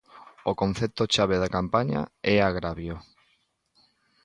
O concepto chave da campaña é agravio.